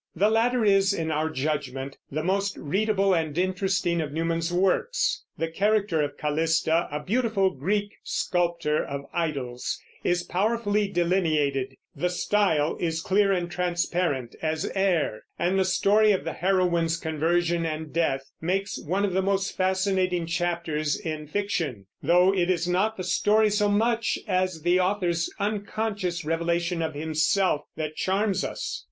The latter is, in our judgment, the most readable and interesting of Newman's works. The character of Callista, a beautiful Greek sculptor of idols, is powerfully delineated; the style is clear and transparent as air, and the story of the heroine's conversion and death makes one of the most fascinating chapters in fiction, though it is not the story so much as the author's unconscious revelation of himself that charms us.